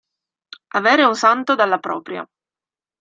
Avere un santo dalla propria.